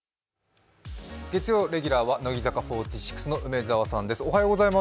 月曜レギュラーは乃木坂４６の梅澤さんです。